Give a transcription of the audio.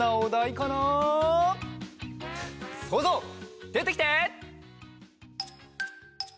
そうぞうでてきて！